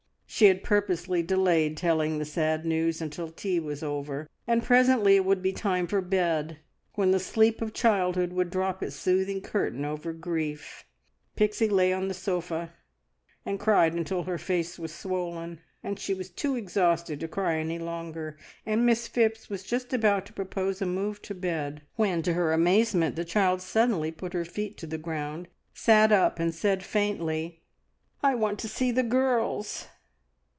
She had purposely delayed telling the sad news until tea was over, and presently it would be time for bed, when the sleep of childhood would drop its soothing curtain over grief. Pixie lay on the sofa, and cried until her face was swollen and she was too exhausted to cry any longer, and Miss Phipps was just about to propose a move to bed when, to her amazement, the child suddenly put her feet to the ground, sat up, and said faintly "I want to see the girls!"